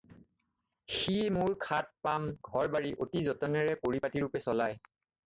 সি মোৰ খাত পাম ঘৰ-বাৰি অতি যতনেৰে পৰিপাটীৰূপে চলায়।